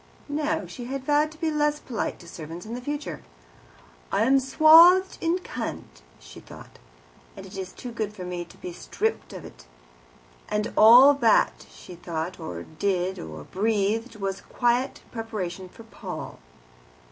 No; she had vowed to be less polite to servants in the future. "I am swathed in cant," she thought, "and it is good for me to be stripped of it." And all that she thought or did or breathed was a quiet preparation for Paul.